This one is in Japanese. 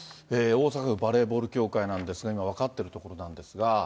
大阪府バレーボール協会なんですが、今分かってるところなんですが。